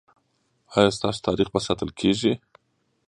ایا ستاسو تاریخ به ساتل کیږي؟